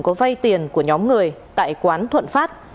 có vay tiền của nhóm người tại quán thuận pháp